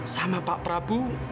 sama pak prabu